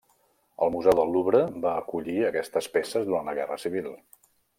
El museu del Louvre va acollir aquestes peces durant la Guerra Civil.